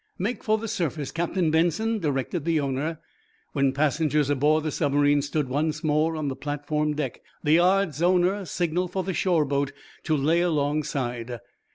"Make for the surface, Captain Benson," directed the owner. When the passengers aboard the submarine stood once more on the platform deck, the yard's owner signaled for the shore boat to lay alongside.